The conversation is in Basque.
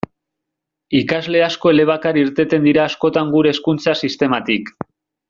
Ikasle asko elebakar irteten dira askotan gure hezkuntza sistematik.